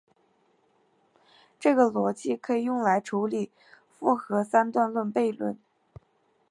这种逻辑可以用来处理复合三段论悖论。